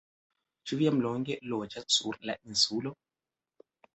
Ĉu vi jam longe loĝas sur la Insulo?